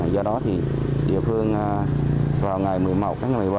do đó thì địa phương vào ngày một mươi một tháng một mươi một